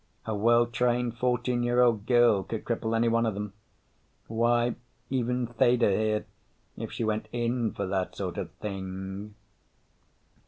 A well trained fourteen year old girl could cripple any one of them. Why, even Theda here, if she went in for that sort of thing...."